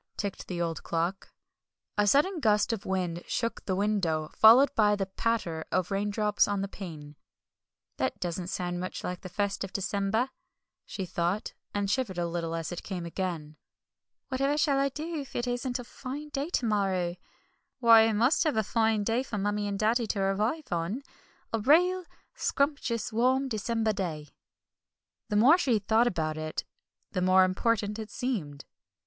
ticked the old clock. A sudden gust of wind shook the window, followed by the patter of raindrops on the pane. "That doesn't sound much like the first of December," she thought, and shivered a little as it came again. "Whatever shall I do if it isn't a fine day to morrow? Why, I must have a fine day for Mummie and Daddy to arrive on a real scrumptious, warm, December day." The more she thought about it the more important it seemed.